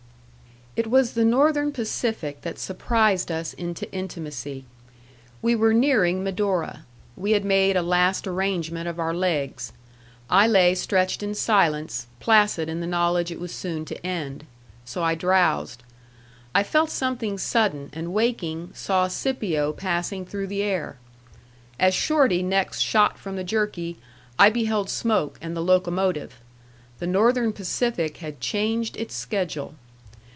It was the Northern Pacific that surprised us into intimacy. We were nearing Medora. We had made a last arrangement of our legs. I lay stretched in silence, placid in the knowledge it was soon to end. So I drowsed. I felt something sudden, and, waking, saw Scipio passing through the air. As Shorty next shot from the jerky, I beheld smoke and the locomotive. The Northern Pacific had changed its schedule.